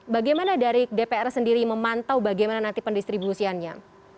bagaimana dari dpr sendiri memantau bagaimana nanti pendistribusiannya